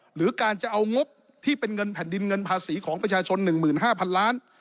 หรือการจะเอางบที่เป็นเงินแผ่นดินเงินภาษีของประชาชน๑๕๐๐๐ล้าน